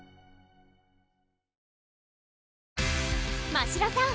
ましろさん